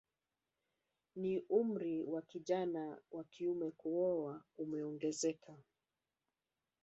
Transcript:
Na umri wa kijana wa kiume kuoa umeongezeka